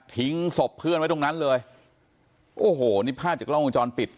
ศพเพื่อนไว้ตรงนั้นเลยโอ้โหนี่ภาพจากกล้องวงจรปิด